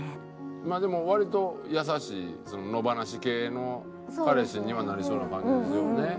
まあでも割と優しい野放し系の彼氏にはなりそうな感じでしょうね。